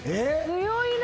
強いな。